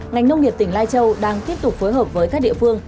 ngành nông nghiệp tỉnh lai châu đang tiếp tục phối hợp với các địa phương